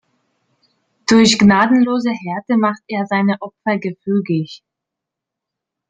Durch gnadenlose Härte macht er seine Opfer gefügig.